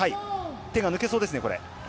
手が抜けそうですね。